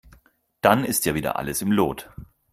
Dann ist ja wieder alles im Lot.